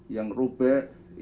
yang rubek yang sudah berjalan